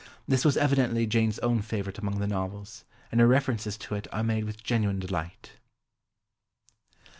This was evidently Jane's own favourite among the novels, and her references to it are made with genuine delight.